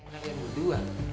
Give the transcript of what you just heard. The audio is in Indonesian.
kamu kan yang kedua